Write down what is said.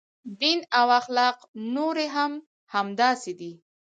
دین او اخلاق نورې هم همداسې دي.